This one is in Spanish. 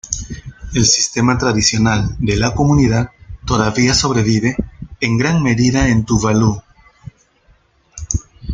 El sistema tradicional de la comunidad todavía sobrevive en gran medida en Tuvalu.